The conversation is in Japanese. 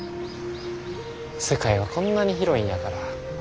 世界はこんなに広いんやから。